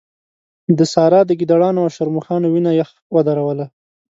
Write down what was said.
د سارا د ګيدړانو او شرموښانو وينه يخ ودروله.